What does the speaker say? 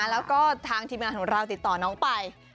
แล้วก็ทางทีมงานของเราติดต่อน้องไป